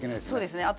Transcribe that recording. そうですね。